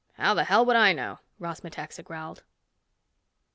"How the hell would I know?" Ross Metaxa growled.